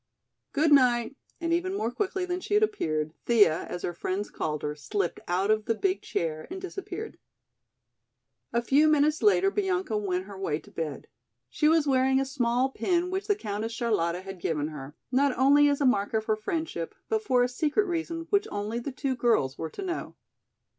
Goodnight," and even more quickly than she had appeared, Thea, as her friends called her, slipped out of the big chair and disappeared. A few minutes later Bianca went her way to bed. She was wearing a small pin which the Countess Charlotta had given her, not only as a mark of her friendship, but for a secret reason which only the two girls were to know.